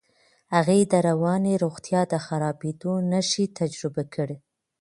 هغې د رواني روغتیا د خرابېدو نښې تجربه کړې.